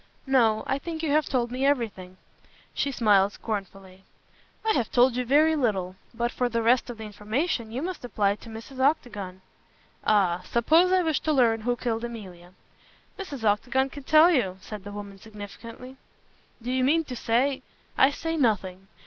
"No. I think you have told me everything." She smiled scornfully. "I have told you very little. But for the rest of the information you must apply to Mrs. Octagon." "Ah! Supposing I wish to learn who killed Emilia?" "Mrs. Octagon can tell you!" said the woman significantly. "Do you mean to say " "I say nothing.